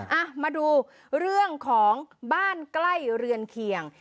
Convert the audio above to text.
อ่ะมาดูเรื่องของบ้านใกล้เรือนเคียง